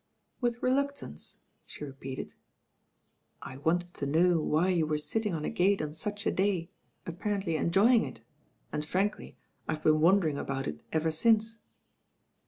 "With reluctance?" she repeated. "I wanted to know why you were sitting on a gate on such a day, apparently enjoying it and, frankly, I've been wondering about it ever since.